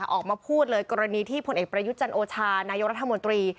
เอาออกมาพูดเลยกรณีที่พอประยุจรรย์โอชานายกรัฐมนตรี